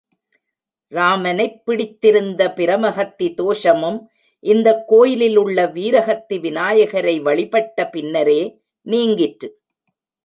ராமனைப் பிடித்திருந்த பிரமஹத்தி தோஷமும் இந்தக் கோயிலில் உள்ள வீரஹத்தி விநாயகரை வழிபட்ட பின்னரே நீங்கிற்று.